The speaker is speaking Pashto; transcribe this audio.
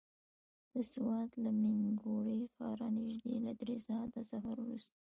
د سوات له مينګورې ښاره نژدې له دری ساعته سفر وروسته.